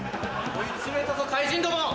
追い詰めたぞ怪人ども。